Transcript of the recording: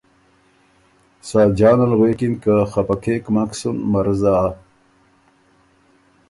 ساجان ال غوېکِن که ”خپه کېک مک سُن مرزا